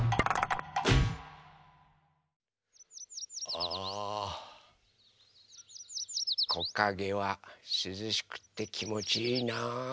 あこかげはすずしくってきもちいいなあ。